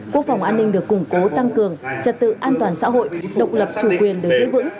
quốc phòng an ninh được củng cố tăng cường trật tự an toàn xã hội độc lập chủ quyền được giữ vững